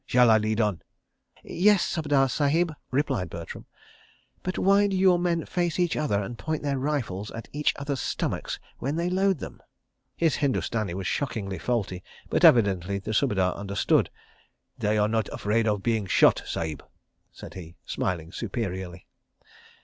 "Shall I lead on?" "Yes, Subedar Sahib," replied Bertram, "but why do your men face each other and point their rifles at each other's stomachs when they load them?" His Hindustani was shockingly faulty, but evidently the Subedar understood. "They are not afraid of being shot, Sahib," said he, smiling superiorly.